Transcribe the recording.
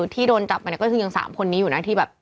ที่โดนจับมาเนี่ยก็คือยัง๓คนนี้อยู่นะที่แบบ